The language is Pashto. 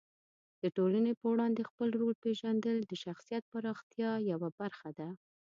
د ټولنې په وړاندې خپل رول پېژندل د شخصیت د پراختیا یوه برخه ده.